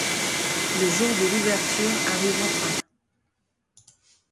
Le jour de l’ouverture arrive enfin.